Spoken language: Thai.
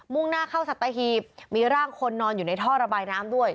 ่งหน้าเข้าสัตหีบมีร่างคนนอนอยู่ในท่อระบายน้ำด้วย